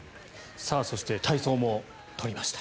そして体操も取りました。